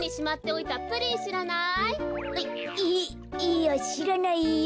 いいやしらないよ。